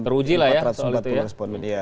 teruji lah ya soal itu ya